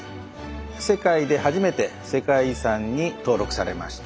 世界で初めて世界遺産に登録されました。